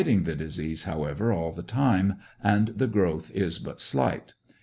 71 ing the disease, however, all the time, and the growth is but slight.